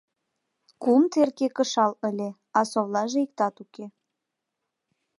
Кум терке кышал ыле, а совлаже иктат уке.